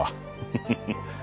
フフフ。